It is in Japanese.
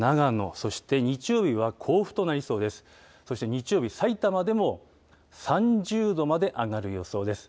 そして日曜日、さいたまでも３０度まで上がる予想です。